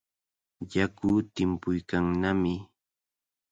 Yaku timpuykannami.